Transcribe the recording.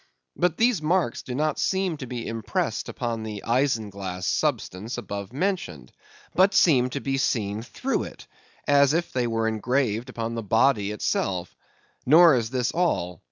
But these marks do not seem to be impressed upon the isinglass substance above mentioned, but seem to be seen through it, as if they were engraved upon the body itself. Nor is this all.